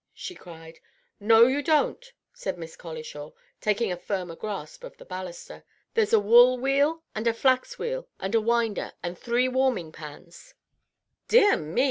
she cried. "No, you don't!" said Miss Colishaw, taking a firmer grasp of the baluster. "There's a wool wheel, and a flax wheel, and a winder, and three warming pans " "Dear me!